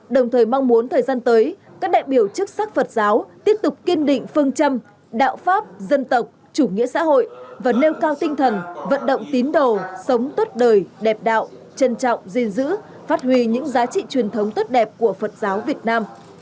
đồng thời mong muốn thời gian tới các đại biểu chức sắc phật giáo tiếp tục kiên định phương châm đạo pháp dân tộc chủ nghĩa xã hội và nêu cao tinh thần vận động tín đồ sống tốt đời đẹp đạo trân trọng gìn giữ phát huy những giá trị truyền thống tốt đẹp của phật giáo việt nam